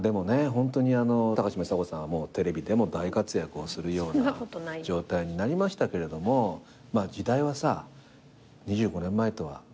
ホントに高嶋ちさ子さんはテレビでも大活躍をするような状態になりましたけれども時代はさ２５年前とは色々変わってきてるじゃないですか。